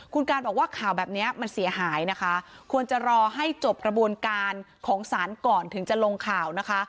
คุณการบอกว่าข่าวแบบนี้มันเสียหายนะคะควรจะรอให้จบกระบวนการของศาลก่อนถึงจะลงข่าวนะคะ